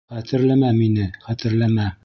Хәтерләмә мине, хәтерләмә!